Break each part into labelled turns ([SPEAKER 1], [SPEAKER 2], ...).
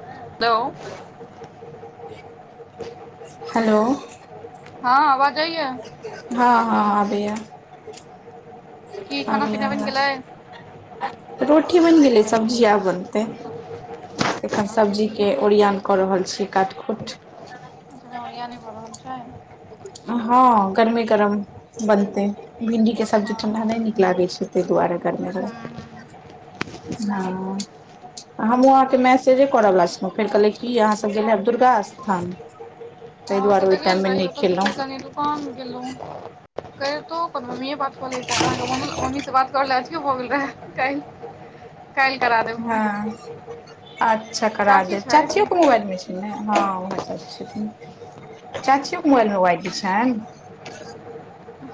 [SPEAKER 1] [inaudible] Hello.
[SPEAKER 2] [inaudible] Hello.
[SPEAKER 1] [inaudible] हं आवाज जाइया?
[SPEAKER 2] [inaudible] हं-हं आबैया।
[SPEAKER 1] की खाना
[SPEAKER 2] आबैया
[SPEAKER 1] पीनाा बनि गेलै?
[SPEAKER 2] आवाज रोटी बनि गेलै सब्जी आब बनतै। एखन
[SPEAKER 1] हाँ
[SPEAKER 2] सब्जीके ओरियान क रहल छी काट खूट। ह।
[SPEAKER 1] एखन ओरियाने भ रहल छै?
[SPEAKER 2] हं हं, गरमे गरम बनतै। भिंडी के सब्जी
[SPEAKER 1] हँ
[SPEAKER 2] ठंडा नै नीक लागै छै। तै दुआरे गरमे गरम।
[SPEAKER 1] हम्म
[SPEAKER 2] हं अं हमहुं अहांँके मैसेजे कर बला छलौं। ओ फेर कहलैथ कि अहाँ सब गेल हैब दुर्गा स्थान।
[SPEAKER 1] [inaudible]
[SPEAKER 2] ताहि
[SPEAKER 1] हं से
[SPEAKER 2] दुआरे ओहि
[SPEAKER 1] त गेल
[SPEAKER 2] टाइम मे
[SPEAKER 1] रही,
[SPEAKER 2] नहि
[SPEAKER 1] ओत सं
[SPEAKER 2] खेलहुँ
[SPEAKER 1] फेर कनी दु कान गेलौं [inaudible] कहितौं त मम्मिए बात क लैता। अहाँके मम मम्मी स बात करै ले अथीओ भ गेल रहा कालि, काल्हि करा दे
[SPEAKER 2] हं [inaudible] अच्छा करा
[SPEAKER 1] चाची
[SPEAKER 2] देब चाचियो
[SPEAKER 1] छथि
[SPEAKER 2] के मोबाइलमे छै? नै हं वैह चाची छथिन। [inaudible] चाचियोके मोबाइलमे ओ आइडी छनि?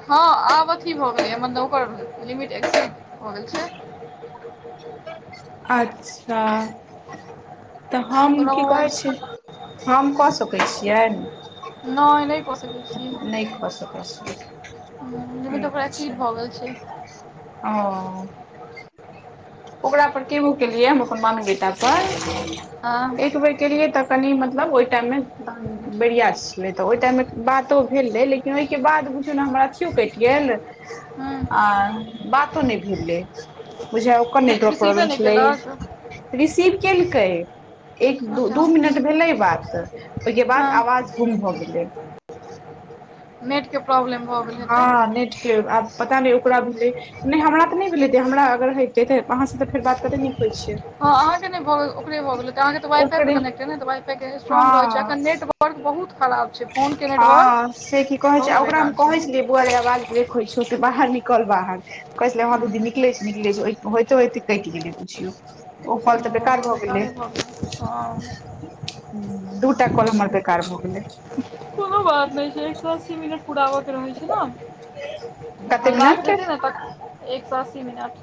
[SPEAKER 1] हँ आब अथी भ गेलैया, मतलब ओकर लिमिट एक्सीड भ गेल छै।
[SPEAKER 2] अच्छा। [inaudible] त हम
[SPEAKER 1] ओना
[SPEAKER 2] की
[SPEAKER 1] मोबाइल
[SPEAKER 2] कहै छै, हम क सकै छियै?
[SPEAKER 1] नै, नै क सकै छी।
[SPEAKER 2] सकैत छियै
[SPEAKER 1] हुं, लिमिट ओकर
[SPEAKER 2] अच्छा
[SPEAKER 1] एक्सीड भ गेल छै।
[SPEAKER 2] ओ। ओकरा पर केबो केलिअइए हम अपन मामी बेटा पर,
[SPEAKER 1] हँ
[SPEAKER 2] त एकबेर केलियै त कनी मतलब ओइ टाइममे बेरिया छलै त ओइ टाइममे बातो भेलै ले कि ओय के बाद बुझयो नै हमरा अथियो केएट गेल आ
[SPEAKER 1] हँ
[SPEAKER 2] बातो नै भेलै बुझ ओकर
[SPEAKER 1] नहि
[SPEAKER 2] नेटवर्क
[SPEAKER 1] रिसीवे
[SPEAKER 2] प्रॉब्लम
[SPEAKER 1] नहि
[SPEAKER 2] छलै
[SPEAKER 1] केलक
[SPEAKER 2] रिसीव केलकै। एक दु
[SPEAKER 1] अच्छा
[SPEAKER 2] दू मिनट भेलै बात, ओय के बाद
[SPEAKER 1] हँ
[SPEAKER 2] अवाज गुम भऽ गेलै।
[SPEAKER 1] [inaudible] नेट के प्रॉब्लेम
[SPEAKER 2] हां नेट के आब पता नै ओकरा भेलै नै हमरा तऽ नै भेल हेते, हमरा अगर हेतै तऽ अहाँ से तऽ फेर बात कते नीक होय छै।
[SPEAKER 1] हां अहाँ के नै भ ओकरे भ गेल हेतै अहाँ के त वाइ-फाई पर
[SPEAKER 2] ओकरे
[SPEAKER 1] कनेक्ट अय नै त वाइ-फाई के
[SPEAKER 2] हँ
[SPEAKER 1] स्ट्रांग रहै छै, अखन नेटवर्क बहुत खराब छै, फोन केना
[SPEAKER 2] हां से की कहे छै ओकरा हम कहै छलियै बौअवा रे अवाज लिक होय छौ तु बाहर निकल बाहर कहै छलै हां दीदी निकलै छी, निकलै छी ओय होयते-होयते केएट गेलै बुझयौ। ओ कॉल तऽ बेकार भ गेलै।
[SPEAKER 1] बेकारे भऽ गेल हँ
[SPEAKER 2] हुं दुटा कॉल हमर बेकार भ गेलै।
[SPEAKER 1] कुनू बात नै छै एक सौ अस्सी मिनट पूरा हो के रहै छै ना
[SPEAKER 2] कते
[SPEAKER 1] जखन लास्ट
[SPEAKER 2] मिनट
[SPEAKER 1] जेतै ने तऽ एक सौ अस्सी मिनट।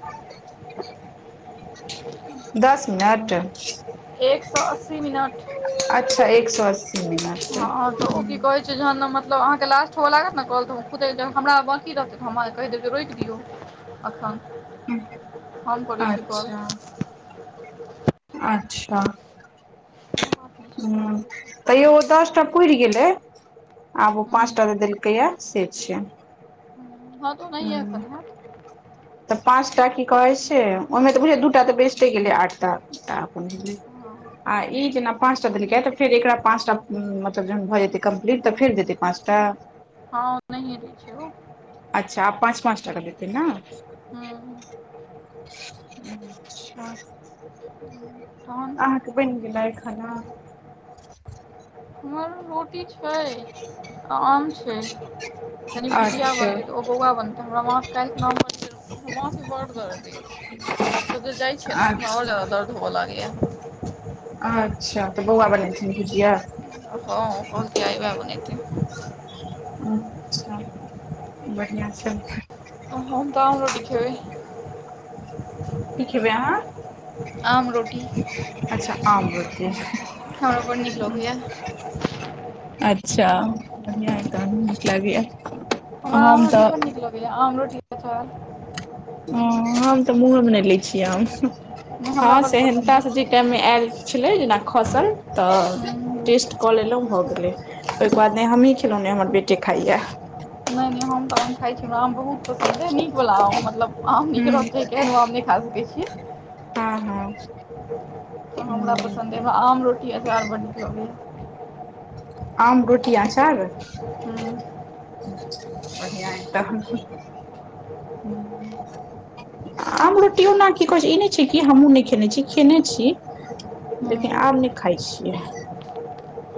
[SPEAKER 2] दस मिनट।
[SPEAKER 1] एक सौ अस्सी मिनट।
[SPEAKER 2] अच्छा एक सौ अस्सी मिनट हुं।
[SPEAKER 1] से जहन मतलब अहाँ के लास्ट हुआ लागत नै कॉल तऽ हम खुदै जब हमरा बाकी रहतै तऽ हम अहाँ के कैह देब जे रोक दियौ। अखन हम करै छी कॉल।
[SPEAKER 2] अच्छा अच्छा।
[SPEAKER 1] हूँ
[SPEAKER 2] हुं तैयो ओ दसटा पुर गेलै। आब उ
[SPEAKER 1] हूँ
[SPEAKER 2] पाँचटा जे देलकै या से छै।
[SPEAKER 1] हां तऽ ओन्हिये
[SPEAKER 2] ह
[SPEAKER 1] करी।
[SPEAKER 2] तऽ पाँचटा की कहै छै ओयमे तऽ बुझयै दूटा तऽ बेस्टे गेलै आठ टा टा अपन भेलै।
[SPEAKER 1] हां।
[SPEAKER 2] आ ई जेना पाँचटा देलकै तऽ फेर एकरा पाँचटा उम्म मतलब जहन भऽ जेतै कम्प्लीट तऽ फेर देतै पाँचटा।
[SPEAKER 1] हां ओनैहिये।
[SPEAKER 2] अच्छा आब पाँच-पाँचटा के देतै ना। अच्छा
[SPEAKER 1] हां। फोन
[SPEAKER 2] अहाँके बनि गेलै खाना
[SPEAKER 1] हमर रोटी छै आ आम छै। कनि भुजिया
[SPEAKER 2] अच्छा
[SPEAKER 1] बनतै तऽ ओ बौअवा बनतै हमरा माथ काएल खुना [unintelligible] हमरा माथ मे बड दर्द अय। कतो त जाय छिये नै त हमरा और
[SPEAKER 2] अच्छा
[SPEAKER 1] जादा दर्द होवा लागैया।
[SPEAKER 2] अच्छा तऽ बौअवा बनैथिन भुजिया।
[SPEAKER 1] हां कहलकै आय उहाए बनेतै।
[SPEAKER 2] अच्छा बढ़ियाँ छन।
[SPEAKER 1] हम ते आम रोटी खेबै।
[SPEAKER 2] की खेबै अहाँ।
[SPEAKER 1] आम रोटी,
[SPEAKER 2] अच्छा आम रोटी
[SPEAKER 1] हमरा बड़ नीक लगैया। [inaudible]
[SPEAKER 2] अच्छा बढ़ियाँ या तहन नीक लागै या।
[SPEAKER 1] हमरा आम रोटी बड़ नीक लगैया, आम रोटी [unintelligible]
[SPEAKER 2] हॅं हम तऽ मुँहे मे नहि लै छियै आम। हँ
[SPEAKER 1] हमरा बड़ पसन्द
[SPEAKER 2] सेहनता
[SPEAKER 1] अइ
[SPEAKER 2] से जै टाइम मे आयल छलै, जेना खसल तऽ
[SPEAKER 1] हूँ
[SPEAKER 2] टेस्ट कऽ लेलहुँ भऽ गेलै ओहिके बाद ने हमहीं खेलौॅं नहि हमर बेटे खाइये।
[SPEAKER 1] नहि नहि हम तऽ आम खाइ छी हमरा आम बहुत पसन्द अइ नीक वला आम मतलब आम नीक
[SPEAKER 2] हूँ
[SPEAKER 1] रहतै केहनो आम नहि खा सकै छियै।
[SPEAKER 2] हँ हँ
[SPEAKER 1] हॅं हमरा
[SPEAKER 2] हूँ
[SPEAKER 1] पसन्द अइ हमरा आम रोटी अचार बड नीक लगैये।
[SPEAKER 2] आ रोटी अचार,
[SPEAKER 1] हूँ
[SPEAKER 2] बढ़िआं ऐ तहन। आम रोटी ओना की कहैत छै ई नहि छै कि हमहूँ नहि खेने छी खेने छी। लेकिन आब नहि खाइ छियै।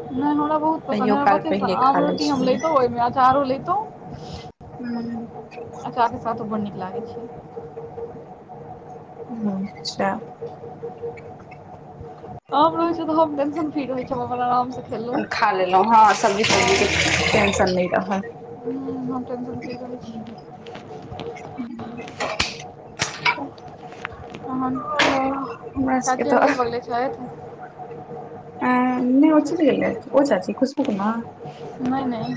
[SPEAKER 1] नहि हमरा बहुत पसन्द
[SPEAKER 2] कहियो
[SPEAKER 1] अइ हमरा
[SPEAKER 2] काल
[SPEAKER 1] बच्चे से
[SPEAKER 2] पहिले
[SPEAKER 1] आम
[SPEAKER 2] खा लै
[SPEAKER 1] रोटी हम
[SPEAKER 2] छलियै
[SPEAKER 1] लइतौं ओहिमे अचारो लइतौं।
[SPEAKER 2] हूँ।
[SPEAKER 1] अचार के साथो बड़ नीक लागै छै।
[SPEAKER 2] अच्छा।
[SPEAKER 1] आम रहै छै तऽ टेंशन फ्री रहै छी, हम अपन आराम से। खेलौं
[SPEAKER 2] खा लेलहुँ हँ सब्जी
[SPEAKER 1] हँ
[SPEAKER 2] तब्जीके टेंशन नहि रहल
[SPEAKER 1] हूं। टेंशन फ्री रहय छी। हॅं
[SPEAKER 2] हमरा सबके
[SPEAKER 1] चाची अगले
[SPEAKER 2] तऽ
[SPEAKER 1] बगले छाइथ
[SPEAKER 2] नहि ओ चलि गेलैथ ओ चाची खुशबू के मां,
[SPEAKER 1] नहि नहि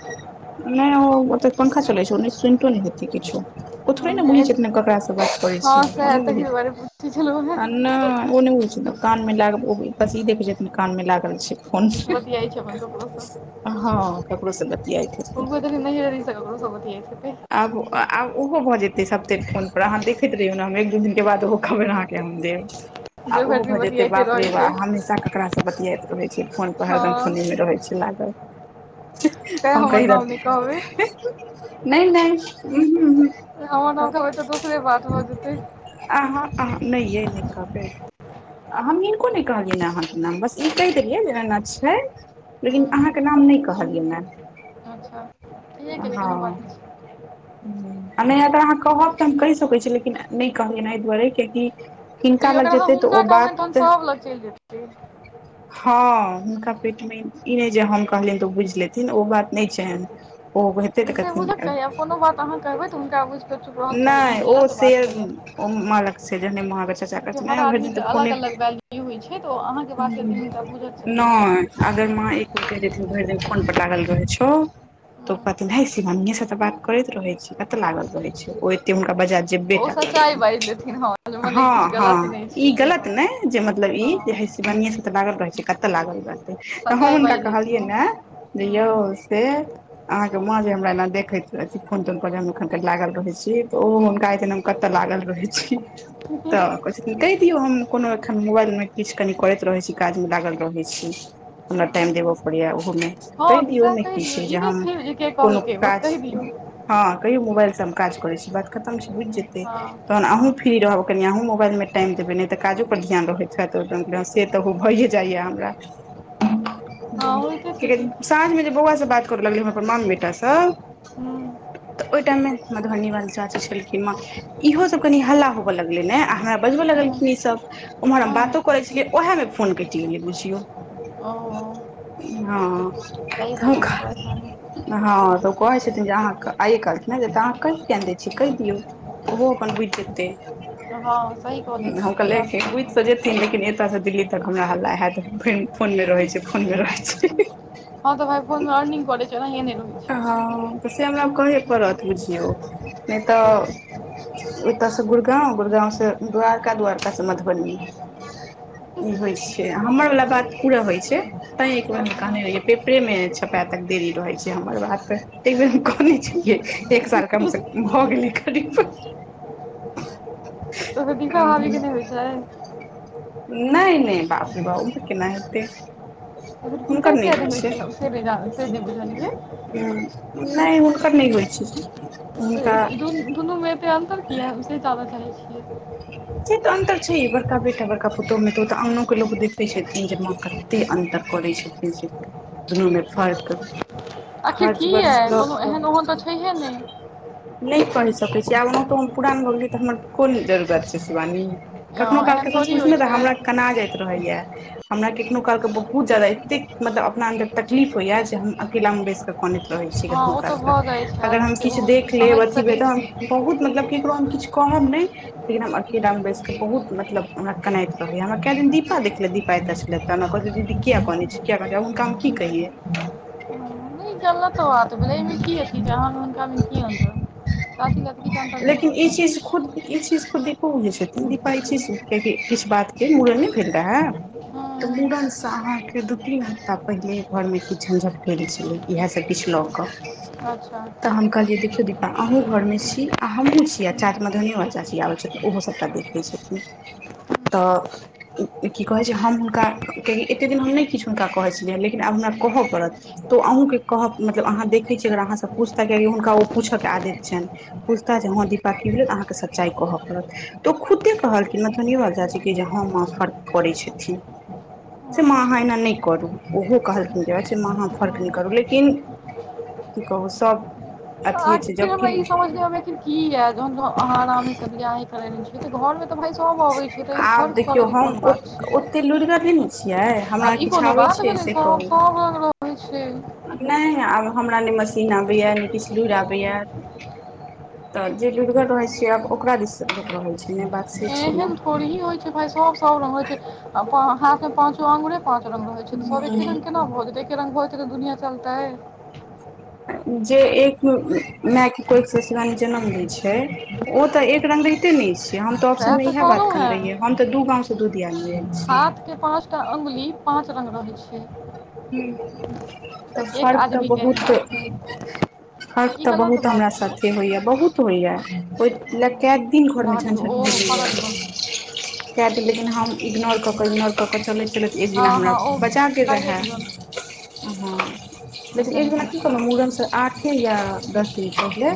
[SPEAKER 2] नहि ओ त पंखा चलै छै ओ नै सूनितो नै छथिन किछो ओ थोड़े ने बुझैत
[SPEAKER 1] हँ,
[SPEAKER 2] छथिन ककरा सँ गप करै
[SPEAKER 1] हँ
[SPEAKER 2] छियै ओ
[SPEAKER 1] सएह
[SPEAKER 2] नहि
[SPEAKER 1] तहि
[SPEAKER 2] बुजहै छथि
[SPEAKER 1] दुआरे पूछै छलहुँ
[SPEAKER 2] आ
[SPEAKER 1] हेँ
[SPEAKER 2] नहि ओ नहि बुजहै छ कान मे लागल बस ई देखै छथिन कान मे लागल छै। फोन
[SPEAKER 1] बतियाइ छै अपन ककड़ो स
[SPEAKER 2] हँ ककरो से बतियाइत हेतै
[SPEAKER 1] हुनको त नैये ककरो से बतियाइत हेतै।
[SPEAKER 2] आब आब ओहो भए जेतै सब ते फोन पर अहाँ देखैत रहियौ ने हम एक दू दिन के बाद ओहो खबैर अहांक के हम देब।
[SPEAKER 1] देव
[SPEAKER 2] आब
[SPEAKER 1] भरि
[SPEAKER 2] ओहो
[SPEAKER 1] दिन
[SPEAKER 2] भऽ जेतै
[SPEAKER 1] बतियाइते
[SPEAKER 2] बाप रे
[SPEAKER 1] रहै
[SPEAKER 2] बा
[SPEAKER 1] छै
[SPEAKER 2] हमेशा ककरा सँ बतियाइत रहैत छै फोन पर हरदम।
[SPEAKER 1] हँ
[SPEAKER 2] फोने मे रहै छै लागल।
[SPEAKER 1] तैं
[SPEAKER 2] हम
[SPEAKER 1] हमर
[SPEAKER 2] कहि
[SPEAKER 1] नाम नै
[SPEAKER 2] रहल
[SPEAKER 1] कहबै।
[SPEAKER 2] नहि नहि उं हूं हूं।
[SPEAKER 1] हमर नाम कहबै तऽ दोसरे बात भऽ जेतै
[SPEAKER 2] आहा आ नहि यै नै कहबै। हम हिनको नहि कहलियनि हें अहाँके नाम बस ई कहि देलियै जे एना एना छैन। लेकिन अहाँके नाम नहि कहलियैन ए।
[SPEAKER 1] अच्छा ठीके केलियै कोनो बात नहि छै।
[SPEAKER 2] नहि अगर अहाँ कहब तऽ हम कहि सकैत छी लेकिन नहि कहलियै ह एहि दुआरे कियकि
[SPEAKER 1] देखियौ अगर अहाँ हुनका कहबनि तहन सभ लग चलि जेतैय।
[SPEAKER 2] हँ हुनका पेट मे ई ने जे हम कहलियनि तो बुझ लेथिन ओ बात नहि छैन ओ हेते तऽ
[SPEAKER 1] से
[SPEAKER 2] कहथिन
[SPEAKER 1] बुझक चाही आब कोनो बात अहाँ कहबै तऽ हुनका बुझि कऽ चुप रहक चाही ई
[SPEAKER 2] नहि ओ
[SPEAKER 1] गलत
[SPEAKER 2] से
[SPEAKER 1] बात भेलै
[SPEAKER 2] मालक से जहने महावीर चाचा
[SPEAKER 1] देखियौ
[SPEAKER 2] कहथिन
[SPEAKER 1] हर
[SPEAKER 2] एं भरि
[SPEAKER 1] आदमीके
[SPEAKER 2] तऽ
[SPEAKER 1] अलग
[SPEAKER 2] फोने
[SPEAKER 1] अलग वैल्यू होइ छै तऽ ओ अहाँके बात केलखिन हुनका बुझक
[SPEAKER 2] नय अगर मां एक बेर कहि देथिन भरि दिन फोन पर लागल रहै छौ तऽ ओ
[SPEAKER 1] चाही
[SPEAKER 2] कहथिन हय सिवानिये से त बात करैत रहै छी कत लागल रहै छि ओ एते हुनका बजा जे
[SPEAKER 1] ओ
[SPEAKER 2] बेटा कर
[SPEAKER 1] सच्चाइ बाजि लेथिन हँ मने
[SPEAKER 2] हँ
[SPEAKER 1] किछु
[SPEAKER 2] - हँ
[SPEAKER 1] गलत नहि
[SPEAKER 2] ई
[SPEAKER 1] छै से
[SPEAKER 2] गलत ने
[SPEAKER 1] बात
[SPEAKER 2] जे मतलब ई जे ह।
[SPEAKER 1] हँ
[SPEAKER 2] कनियें से तऽ लागल रहै छै, कतऽ लागल रहतै, तऽ हम
[SPEAKER 1] सच्चाइ
[SPEAKER 2] हुनका
[SPEAKER 1] बाजि लेथिन
[SPEAKER 2] कहलियै
[SPEAKER 1] हँ
[SPEAKER 2] ने। यौ
[SPEAKER 1] हुँ
[SPEAKER 2] से अहां के माँ जे हमरा एना देखे अथी फोन तोन पर हम एखन के लागल रहै छी। तऽ ओहो हुनका होई जैन हम लागल रहै छी तऽ क कहि दियौ हम कोनो एखन मोबाइलमे किछु कनि करैत रहै छी, काजमे लागल रहैत छी। हमरा टाइम
[SPEAKER 1] हँ
[SPEAKER 2] देबय पड़ैए ओहोमे कहऽ
[SPEAKER 1] तऽ
[SPEAKER 2] दियो
[SPEAKER 1] सएह
[SPEAKER 2] ने
[SPEAKER 1] कहि
[SPEAKER 2] की
[SPEAKER 1] दियौ
[SPEAKER 2] छै
[SPEAKER 1] ई
[SPEAKER 2] जे
[SPEAKER 1] नहि
[SPEAKER 2] हम
[SPEAKER 1] कहियौ के
[SPEAKER 2] कोनो
[SPEAKER 1] कहलकै बस
[SPEAKER 2] काज।
[SPEAKER 1] कहि दियौ
[SPEAKER 2] हँ कहियो मोबाइल से हम काज करै छी बात। खतम छै बुझि जेतै
[SPEAKER 1] हँ
[SPEAKER 2] तहन अहूँ
[SPEAKER 1] हँ
[SPEAKER 2] फ्री रहब कनी अहूँ मोबाइल में टाइम देबै नहि तऽ काजो पर ध्यान रहैत छथि से तऽ ओ भइए जाइएा हमरा।
[SPEAKER 1] हँ
[SPEAKER 2] कह
[SPEAKER 1] होइते
[SPEAKER 2] छै
[SPEAKER 1] कि
[SPEAKER 2] साँझ मे जे बौआ से बात करऽ लगलै हम अपन मामी बेटा स।
[SPEAKER 1] ह [inaudible]
[SPEAKER 2] ओहि टाइम में मधुबनी बाली चाची छलखिन माँ। इहो सब कनि हल्ला होवय लगलै न आ हमरा बजबऽ
[SPEAKER 1] हुँ
[SPEAKER 2] लगलखिन इ सब। ओम्हर हम
[SPEAKER 1] हुँ
[SPEAKER 2] बातो करैय छलियै ओएहमे फोन कटि गेलैय बुझियौ।
[SPEAKER 1] ओ
[SPEAKER 2] हं
[SPEAKER 1] सही
[SPEAKER 2] हुनका
[SPEAKER 1] वजहसँ परेशानी
[SPEAKER 2] हं तऽ कहने छथिन जे अहाके आइ काहलथिन ह जे अहां कहि किया नै दै छीैयै कहि दियौ। ओहो अपन बुझि जेतै
[SPEAKER 1] हँ सही कहलथि हँ
[SPEAKER 2] हम
[SPEAKER 1] ई बात
[SPEAKER 2] कहेलिए
[SPEAKER 1] सही
[SPEAKER 2] बुझित
[SPEAKER 1] कहलथि
[SPEAKER 2] जेतै। लेकिन एतऽस दिल्ली तक हमरा हल्ला हैत फर फोनमे रहैत छैय फोनमे रहैय छैय।
[SPEAKER 1] ह तऽ भाइ फोन अर्निंग करैय छैय एनैये रहैय छैय।
[SPEAKER 2] ह तऽ से हमरा कहेये पड़त बुझियौ नै तऽ एतयसे गुड़गाँव- गुड़गाँवस द्वारका- द्वारकास मधुबनी। इ होइ छैय हमर वला बात पुरा होइ छैय। तैं एक बेर हम
[SPEAKER 1] अच्छा
[SPEAKER 2] कहने रहैये पेपरे मे छपा तक देरी रहैय। हमर बात के एकदिन हम कहने छलियै एक साल कमस भऽ गेलै करीब।
[SPEAKER 1] ओइबेर दिपावली के नै होय छै।
[SPEAKER 2] नै नै बाप रे ओम्हर केना हेतैय।
[SPEAKER 1] हुनका किया डेंगबैय छीयै ओ से नेऽ -से नै बुझलियै।
[SPEAKER 2] ह नै हुनकर नै होइ छैय हुनका।
[SPEAKER 1] दुनुमे एतेक अंतर किया, से जानऽ चाहैय छियैय हम।
[SPEAKER 2] से तऽ अन्तर छैय बड़का बेटा बड़ा पुतहुमे तऽ ओ तऽ अंगनो के लोक देखैने छथिन जे माँ कऽ। एतेक अन्तर करैत छथिन जे दुनुमें फर्क।
[SPEAKER 1] आखिर
[SPEAKER 2] खर्च
[SPEAKER 1] किया
[SPEAKER 2] बर्चस लऽ
[SPEAKER 1] कोनो
[SPEAKER 2] कऽ।
[SPEAKER 1] एहन ओहन तऽ छैहे नहि
[SPEAKER 2] नै पढ़ि सकैय छीयै आब ओना तो हम पुरान भऽ गेलियै तऽ हमर कोन जरू बुझैय छै शिवानी कखनो काल के
[SPEAKER 1] एहन
[SPEAKER 2] सच
[SPEAKER 1] थोड़ी
[SPEAKER 2] पुछु
[SPEAKER 1] होइ
[SPEAKER 2] नतऽ
[SPEAKER 1] छै
[SPEAKER 2] हमरा कना जाइत रहैया। हमरा कखनो काल क बहुत जादा एते मतलब अपना अन्दर तकलीफ होइया जे हम अकेला में बैस कनैत रहैय छियै
[SPEAKER 1] हँ
[SPEAKER 2] कखनो
[SPEAKER 1] ओ तऽ
[SPEAKER 2] कालके,
[SPEAKER 1] भऽ जाइ छै
[SPEAKER 2] अगर हम
[SPEAKER 1] आदमीके ओ
[SPEAKER 2] किछु देख लेब
[SPEAKER 1] समझि
[SPEAKER 2] अथी भेल
[SPEAKER 1] सकै
[SPEAKER 2] तऽ हम
[SPEAKER 1] छी
[SPEAKER 2] बहुत मतलब ककरो हम किछु कमनै। लेकिन हम अकेला में बैसके बहुत मतलब हमरा कनैत रहैए, हमरा कए दिन दीपा देखलथि दीपाइत छलैथ तऽ हमरा कहैलथि दीदी किया कने छी, किया कने छी, हुनका हम की कहियै।
[SPEAKER 1] इ गलत बात भेलैय एहिमे की अथी छैय आहा हुनकामे की अन्तर। चाची लए तऽ किछु अन्तर नहि
[SPEAKER 2] लेकिन
[SPEAKER 1] होबक
[SPEAKER 2] इ चीज
[SPEAKER 1] चाही
[SPEAKER 2] खुद इ चीज खुद दीपो बुझैय छथिन दीपा इ चीज किया कि किछु बात। फेर मुड़न नै भेल रहय, तऽ
[SPEAKER 1] हँ
[SPEAKER 2] मुड़न से आहां। इ दू तीन हफ्ता पहिले घर मे किछु झंझट भेल छलैय, इएह सब किछु लऽ कऽ।
[SPEAKER 1] आच्छा।
[SPEAKER 2] तऽ हम कहलियै देखियौ दीपा अहू घरमे छी, आ हमहू छी आ चा
[SPEAKER 1] हँ
[SPEAKER 2] मधुबनीयोवाली चाची आबै छथिन, ओहो सभटा देखते छेथिन। तऽ की कहैय छै, हम हुनका केली एते दिन हम नै किछ हुनका कहैय छलियै, लेकिन आब हमरा कहय पड़त। त अहुके कहब मतलब आहाँ देखैय छियै अगर अहाँ स पूछता, कियाकि हुनका ओ पूछ के आदैत छैन। पुछता जे ह दीपा की भेलै त अहाँ के सच्चाइ कहऽ पड़त। तऽ खुदे कहलखिन मधुबनीयोबाली चाची के जे ह माँ फर्क करै छेथिन।
[SPEAKER 1] [unintelligible]
[SPEAKER 2] से माँ अहाँ एना नै करू, ओहो कहलखिन अच्छा माँ आहा फर्क नै करु, लेकिन की कहु सब
[SPEAKER 1] तऽ आखिर हमरा इ समझ नै अबैये की किये जहन आहाँ आरामे स बियाहे करेने छी त घरमे। तऽ भाय सब अबैय छैय, तऽ ऐमे
[SPEAKER 2] आब
[SPEAKER 1] फर्क
[SPEAKER 2] देखियौ
[SPEAKER 1] करऽ के
[SPEAKER 2] हम
[SPEAKER 1] कोन बात
[SPEAKER 2] ओतेक लुरिगर नहि ने छियै
[SPEAKER 1] छैय।
[SPEAKER 2] हमरा
[SPEAKER 1] आब इ
[SPEAKER 2] किछु
[SPEAKER 1] कोनो
[SPEAKER 2] आबै
[SPEAKER 1] बात
[SPEAKER 2] छै
[SPEAKER 1] भेलैय सब - सब लग रहैय छैय।
[SPEAKER 2] नै आब हमरा नै मशीन आबैये नै किछु लुइर आबैये। तऽ जे लुड़िगर रहेय छैय, आब ओकरा दिस रहे छैय।
[SPEAKER 1] एहन थोड़ही होइ छैय, भाय सब - सब रंग होइ छैय, आब हाँके पाँचों अंगूरे। पाँच रंग रहै छैय, सब एके रंग केना भऽ जेते एके रंग भऽ जेते तऽ दुनिया चलतैय।
[SPEAKER 2] जे एक मेंए के कोइख से। [unintelligible] जनम दै छै ओ तऽ एक रंग रहिते ने छै। [unintelligible] हम तऽ ऑप्शन
[SPEAKER 1] सएह
[SPEAKER 2] मे इहे बात
[SPEAKER 1] कहलहुँ
[SPEAKER 2] कहने रहियै
[SPEAKER 1] हेँ
[SPEAKER 2] हम तऽ दू गांव सँ दू दियादनी एल छि।
[SPEAKER 1] के पाँच टा अंगुली पांच रंग रहै छै।
[SPEAKER 2] हूँ तऽ
[SPEAKER 1] एक
[SPEAKER 2] फर्क तऽ
[SPEAKER 1] आदमीके
[SPEAKER 2] बहुत।
[SPEAKER 1] हाथके
[SPEAKER 2] फर्क तऽ
[SPEAKER 1] ई गलत
[SPEAKER 2] बहुत
[SPEAKER 1] बात
[SPEAKER 2] हमरा
[SPEAKER 1] भेलै
[SPEAKER 2] साथे होइया, बहुत होइया ओय ले केए दिन घरमे
[SPEAKER 1] रहऽ दियौ
[SPEAKER 2] झग।
[SPEAKER 1] ओ
[SPEAKER 2] [unintelligible]
[SPEAKER 1] करऽ दियौन
[SPEAKER 2] केए दिन लेकिन हम इग्नोर कऽ क इग्नोर कऽ क चलैत- चलैत एक दिना
[SPEAKER 1] हँ
[SPEAKER 2] हमरा।
[SPEAKER 1] हँ ओ
[SPEAKER 2] बजागेल
[SPEAKER 1] करहे
[SPEAKER 2] रहे
[SPEAKER 1] दियौन
[SPEAKER 2] ह। लेकिन
[SPEAKER 1] ओहिसँ
[SPEAKER 2] एक
[SPEAKER 1] नहि
[SPEAKER 2] दिना
[SPEAKER 1] कोनो
[SPEAKER 2] की कहलउ
[SPEAKER 1] फरक
[SPEAKER 2] मूड़न सँ
[SPEAKER 1] पड़ै
[SPEAKER 2] आठे या दस दिन पहिले।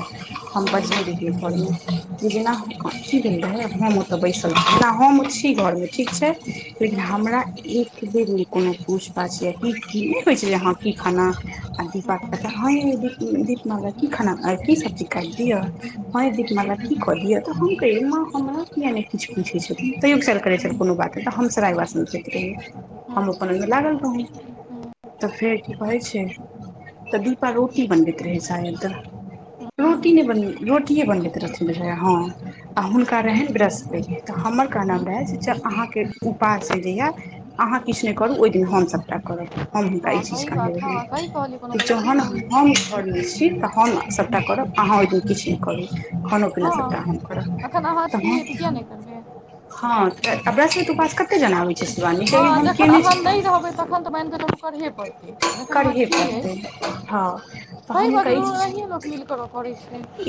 [SPEAKER 2] हम
[SPEAKER 1] छै
[SPEAKER 2] बजने
[SPEAKER 1] हूँ
[SPEAKER 2] रहियै घरमे। जेना की भेल रहै, हम ओत बैसल छी जेना हम ओ छी घरमे ठीक छै। लेकिन हमरा एक बेर नै कोनो पूछ पाछ। [unintelligible] इ की नै कहे छै जे ह की खाना। आ दीपा कताऽ हये दीदी दीपमला की खाना की सब्जी कैट दिअ। ह यै
[SPEAKER 1] हूँ
[SPEAKER 2] दीपमाला की कदियऽ तऽ हम कहियै माँ हमरा किया नै किछु पूछै छथिन, तैयो खैर करै छल।
[SPEAKER 1] हूँ
[SPEAKER 2] कोनो बात तऽ हम सराय बासन धोइत रहियै,
[SPEAKER 1] हूँ
[SPEAKER 2] हम ओ अपन ओय मे लागल रहौ। तऽ फेर की कहै छै तऽ दीपा रोटी बनबैत रहै शायद।
[SPEAKER 1] हूँ हूँ
[SPEAKER 2] रोटी नै बन रोटीेये बनबैत रहथिन बुझैये ह। आ हुनका रहैन ब्रसपैत तऽ हमर कहनाम रहै जे अहाँ के उपास ऐ जहिया। अहाँ किछ नै करू ओय दिन हम सबटा करब। हम हुनका इ
[SPEAKER 1] हँ
[SPEAKER 2] चीज
[SPEAKER 1] सही
[SPEAKER 2] कहने
[SPEAKER 1] बात हँ
[SPEAKER 2] रहियैन,
[SPEAKER 1] सही कहलियै कोनो
[SPEAKER 2] की
[SPEAKER 1] गलत नहि
[SPEAKER 2] जहन
[SPEAKER 1] कहलियै
[SPEAKER 2] हम घरमे छी तऽ हम सबटा करब। अहाँ ओहि दिन किछ नै करू, खानो पीना सबटा हम करब
[SPEAKER 1] हँ एखन अहाँ
[SPEAKER 2] तऽ हम।
[SPEAKER 1] छियै किया नहि करबै
[SPEAKER 2] ह तऽ ब्रसपैत उपास कते जनाबै छै शिवानी कहीयो
[SPEAKER 1] हँ
[SPEAKER 2] हम
[SPEAKER 1] जखन
[SPEAKER 2] केने
[SPEAKER 1] अहाँ
[SPEAKER 2] छी तऽ।
[SPEAKER 1] नहि [unintelligible] करहे पड़त जखन अहाँ
[SPEAKER 2] करहे
[SPEAKER 1] छीहे
[SPEAKER 2] पड़तै हँ तऽ हम
[SPEAKER 1] सहि बात छै
[SPEAKER 2] हुनका ई
[SPEAKER 1] दुनू
[SPEAKER 2] चीज
[SPEAKER 1] एनैहीये लोक मिल कऽ।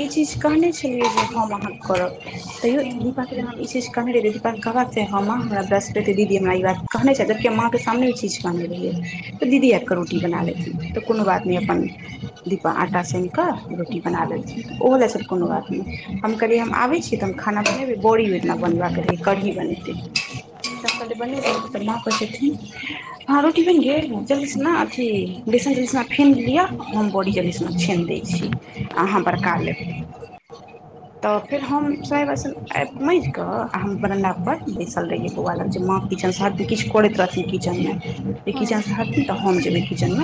[SPEAKER 2] ई चीज कहने छलियै जे हम अहाँके करब
[SPEAKER 1] छै हूँ।
[SPEAKER 2] त कहबाक चे ह माँ हमरा ब्रसपैत दीदी हमरा इ बात कहने छैथ जबकि माँ के सामने इ चीज कहने रहियै। तऽ दीदी
[SPEAKER 1] हूँ
[SPEAKER 2] ऐब कऽ रोटी बना लेथिन तऽ कोनो बात नै अपन। दीपा आँटा सैन कऽ रोटी बना
[SPEAKER 1] हूँ
[SPEAKER 2] लैलखिन तऽ ओहो लै चल कोनो बात नै। हम कहलियै हम आबै छीै तऽ हम खाना बनेबै बड़ी ओदिना बनेबाक रहै कढ़ी बनेतै। तखनऽ त बनेबय, कनि माँ [unintelligible] थिन। हँ रोटी बइन गेल, जल्दी स न अथी बेसन के [unintelligible] फेन लिअ। हम बड़ी जल्दी सँना छइन दै छी। अहाँ बड़का लेब।
[SPEAKER 1] [inaudible]
[SPEAKER 2] तऽ फेर हम सराय बासन आबिक माजिकऽ आर हम बरनडा पर बैसल रहियै बौआ लग जे माँ किचन स हट किछु करैत रहथिन किचन मे जे
[SPEAKER 1] हूँ
[SPEAKER 2] किचन से हटथिन तऽ हम जेबै किचन मे